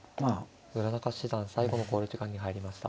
村中七段最後の考慮時間に入りました。